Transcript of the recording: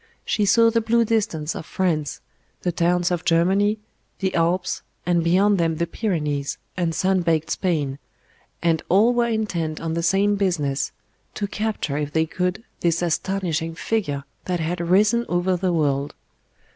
She saw the blue distance of France, the towns of Germany, the Alps, and beyond them the Pyrenees and sun baked Spain; and all were intent on the same business, to capture if they could this astonishing figure that had risen over the world.